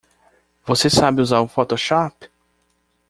Você sabe usar o Photoshop?